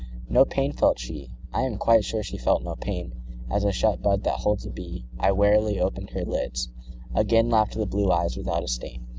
No pain felt she; I am quite sure she felt no pain. As a shut bud that holds a bee, I warily oped her lids: again Laugh'd the blue eyes without a stain.